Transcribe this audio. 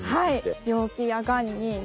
はい。